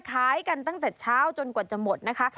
ขายกันตั้งแต่เช้าจนกว่าจะหมดนะคะ